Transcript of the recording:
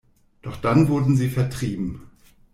Doch dann wurden sie vertrieben.